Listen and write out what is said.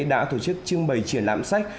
đã tổ chức chương bày triển lãm sách